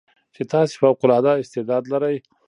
چې تاسې فوق العاده استعداد لرٸ